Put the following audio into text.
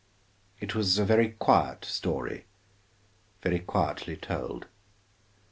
It was a very quiet story, very quietly told.